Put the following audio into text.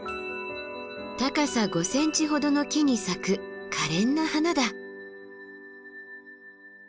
高さ５ｃｍほどの木に咲くかれんな花だ。